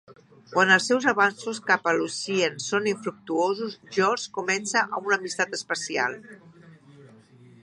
Quan els seus avanços cap a Lucien són infructuosos, Georges comença una "amistat especial".